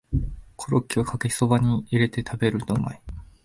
コロッケをかけそばに入れて食べるとうまい